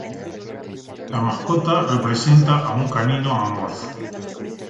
La mascota representa a un canino amorfo.